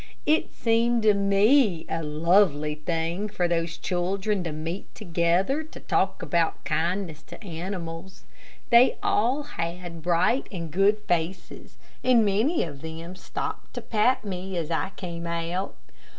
It seemed to me a lovely thing for those children to meet together to talk about kindness to animals. They all had bright and good faces, and many of them stopped to pat me as I came out.